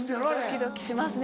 ドキドキしますね